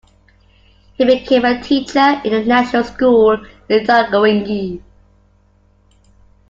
He became a teacher at the National School in Taungdwingyi.